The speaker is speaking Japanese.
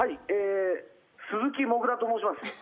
「鈴木もぐらと申します」